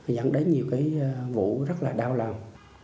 nhận đến nhiều cái vụ rất là đau lòng